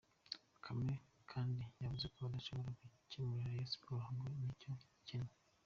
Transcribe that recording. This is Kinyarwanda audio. Bakame kandi yavuze ko adashobora guhemukira Rayon Sports ngo ni uko ikennye.